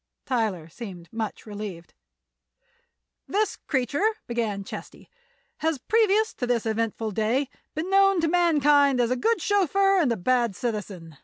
Tyler seemed much relieved. "This creature," began Chesty, "has previous to this eventful day been known to mankind as a good chauffeur and a bad citizen.